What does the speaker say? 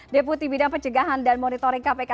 deputi bidang pencegahan dan monitoring kpk